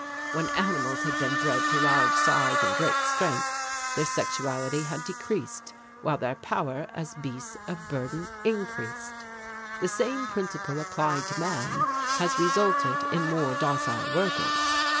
When animals had been bred to large size and great strength their sexuality had decreased, while their power as beasts of burden increased. The same principle applied to man has resulted in more docile workers.